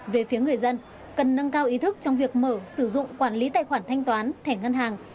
về phía người dân cần nâng cao ý thức trong việc mở sử dụng quản lý tài khoản thanh toán thẻ ngân hàng